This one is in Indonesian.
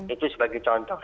itu sebagai contoh